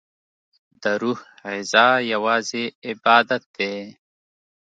دروح غذا یوازی عبادت دی